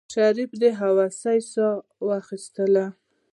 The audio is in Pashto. شريف د هوسايۍ سا واخيستله.